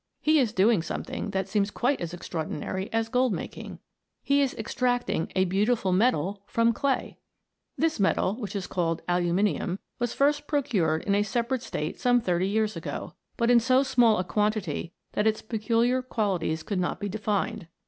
He is doing something which seems quite as extraordinary as gold making he is ex tracting a beautiful metal from clay ! This metal, which is called aluminium, was first MODERN ALCHEMY. 81 procured in a separate state some thirty years ago, but in so small a quantity that its peculiar qualities could not be denned.